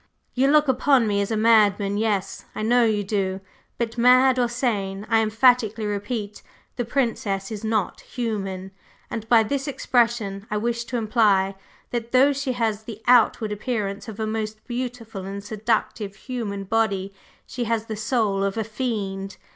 You look upon me as a madman yes! I know you do! But mad or sane, I emphatically repeat, the Princess is not human, and by this expression I wish to imply that though she has the outward appearance of a most beautiful and seductive human body, she has the soul of a fiend.